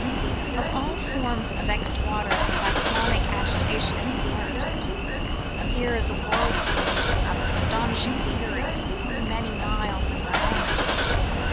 Of all forms of vexed water the cyclonic agitation is the worst. Here is a whirlwind of astonish ing fury so many miles in diameter.